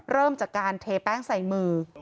เริ่มจากการเทแป้งใส่มือ